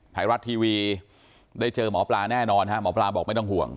ไทยรัฐทีวีได้เจอหมอปลาแน่นอนฮะหมอปลาบอกไม่ต้องห่วง